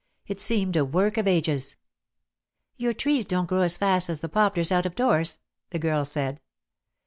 It seemed a work of ages. ■ "Your trees don't grow as fast as the poplars out of doors," the girl said.